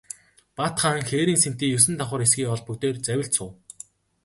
Бат хаан хээрийн сэнтий есөн давхар эсгий олбог дээр завилж суув.